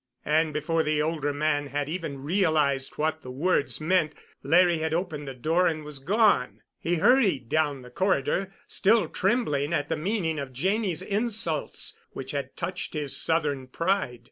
And, before the older man had even realized what the words meant, Larry had opened the door and was gone. He hurried down the corridor, still trembling at the meaning of Janney's insults, which had touched his Southern pride.